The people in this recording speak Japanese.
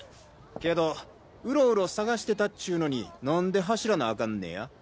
けどウロウロ探してたっちゅうのに何で走らなアカンねや？